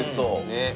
ねっ！